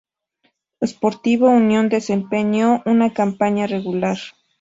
Sportivo Unión desempeñó una campaña regular.